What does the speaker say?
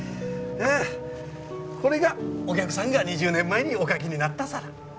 ああこれがお客さんが２０年前にお描きになった皿。